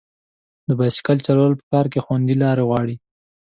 د بایسکل چلول په ښار کې خوندي لارې غواړي.